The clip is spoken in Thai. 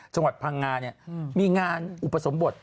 จังหวัดพังง่าย์นี่มีงานอุปสรมบท